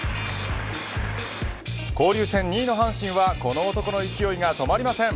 交流戦２位の阪神はこの男の勢いが止まりません。